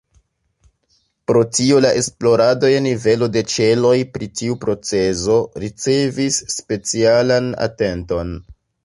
Pro tio la esplorado je nivelo de ĉeloj pri tiu procezo ricevis specialan atenton.